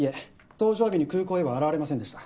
搭乗日に空港へは現れませんでした。